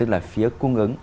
là phía cung ứng